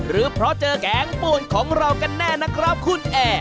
หรือเพราะเจอแกงป่วนของเรากันแน่นะครับคุณแอร์